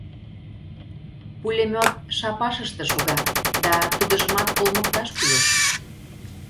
Пулемёт шапашыште шога, да тудыжымат олмыкташ кӱлеш.